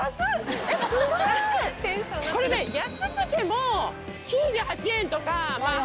これね安くても９８円とかまあ